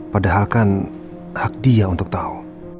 padahalkan hak dia untuk tahu